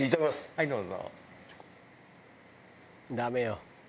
はいどうぞ。